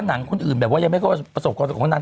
หนังคนอื่นแบบว่ายักษ์ไม่โครสประสบความของนาง